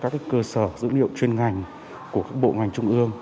chúng tôi sẽ thực hiện tích hợp các cơ sở dữ liệu chuyên ngành của các bộ ngành trung ương